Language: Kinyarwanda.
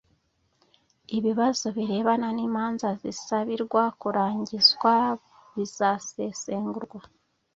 ibibazo birebana n’imanza zisabirwa kurangizwa bizasesengurwa;